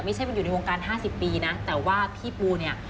ไม่ใช่ว่าอยู่ในโครงการห้าสิบปีนะแต่ว่าพี่ปูเนี้ย